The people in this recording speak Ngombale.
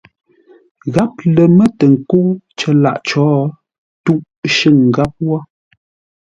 Gháp lər mə́ tə nkə́u cər lâʼ có tûʼ shʉ̂ŋ gháp wó.